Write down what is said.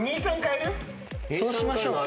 ・そうしましょう。